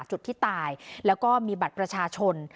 จุดที่ตายแล้วก็มีบัตรประชาชน